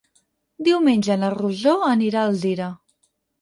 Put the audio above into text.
Diumenge na Rosó anirà a Alzira.